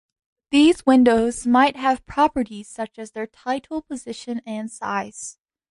These windows might have "properties" such as their title, position and size.